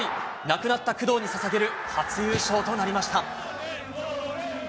亡くなった工藤にささげる初優勝となりました。